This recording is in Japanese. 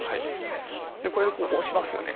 これでこう押しますよね。